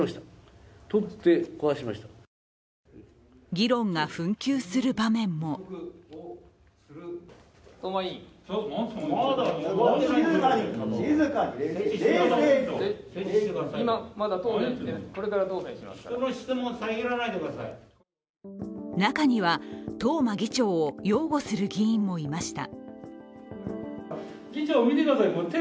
議論が紛糾する場面も中には東間議長を擁護する議員もいました。